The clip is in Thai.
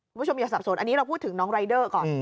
อย่าสับสนอันนี้เราพูดถึงน้องรายเดอร์ก่อน